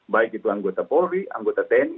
baik itu anggota polri anggota tni